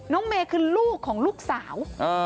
น้องเมคือลูกของลูกสาว